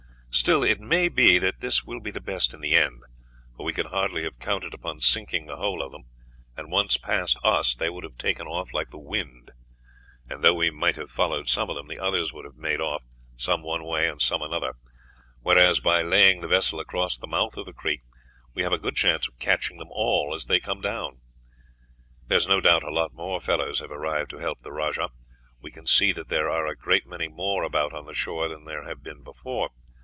Still, it may be that this will be the best in the end, for we could hardly have counted upon sinking the whole of them, and once past us they would have been off like the wind; and though we might have followed some of them, the others would have made off, some one way and some another, whereas, by laying the vessel across the mouth of the creek, we have a good chance of catching them all as they come down. There is no doubt a lot more fellows have arrived to help the rajah; we can see that there are a great many more about on the shore than there have been before.